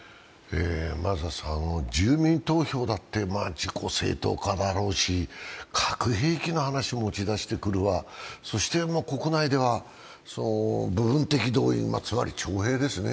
住民投票だって自己正当化だろうし、核兵器の話を持ち出してくるわ、そして国内では、部分的動員、つまり徴兵ですね。